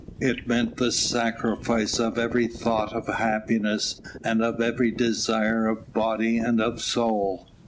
It meant the sacrifice of every thought of happiness and of every desire of body and of soul.